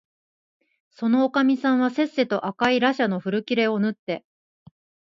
そのおかみさんはせっせと赤いらしゃの古切れをぬって、